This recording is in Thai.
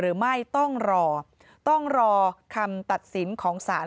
หรือไม่ต้องรอต้องรอคำตัดสินของศาล